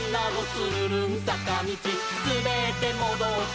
つるるんさかみち」「すべってもどって」